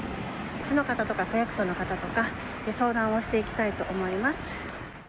市の方とか区役所の方とか、相談をしていきたいと思います。